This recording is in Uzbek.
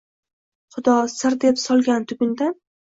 Xudo «sir» deb solgan tugundan.